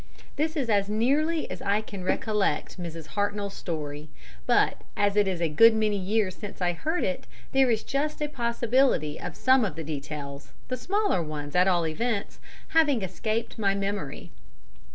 This is as nearly as I can recollect Mrs. Hartnoll's story. But as it is a good many years since I heard it, there is just a possibility of some of the details the smaller ones at all events having escaped my memory.